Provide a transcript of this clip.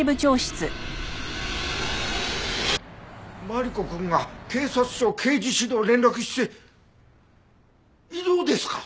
マリコくんが警察庁刑事指導連絡室へ異動ですか！？